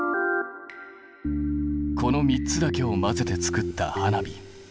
この３つだけを混ぜて作った花火。